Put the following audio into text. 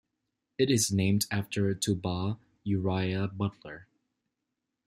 It is named after Tubal Uriah Butler.